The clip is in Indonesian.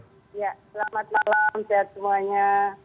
ya selamat malam sehat semuanya